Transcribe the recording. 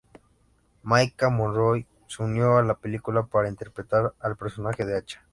Maika Monroe se unió a la película para interpretar al personaje de Hacha.